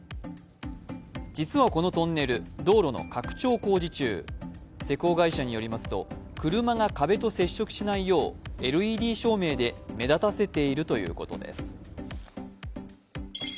実はこのトンネル、道路の拡張工事中、施工会社によりますと、車が壁と接触しないよう、ＬＥＤ照明で目立たせているということです。